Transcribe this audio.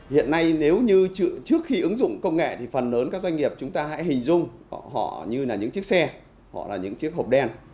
hiện nay nếu như trước khi ứng dụng công nghệ thì phần lớn các doanh nghiệp chúng ta hãy hình dung họ như là những chiếc xe họ là những chiếc hộp đen